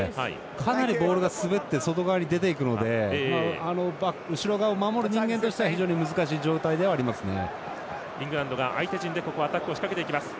かなり、ボールが滑って外側に出ていくので後ろ側を守る人間としたら非常に難しい状態ではありますね。